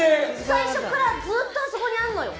最初からずっとあそこにあんのよ。